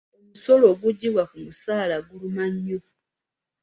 Omusolo oguggyibwa ku musaala guluma nnyo.